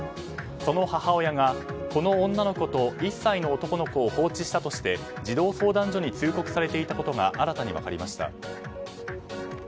その母親が、この女の子と１歳の男の子を放置したとして児童相談所に通告されていたことが新たに分かりました。